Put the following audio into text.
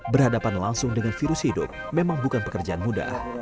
berhadapan langsung dengan virus hidup memang bukan pekerjaan mudah